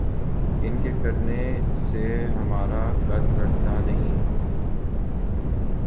ان کے کرنے سے ہمارا قد بڑھتا نہیں۔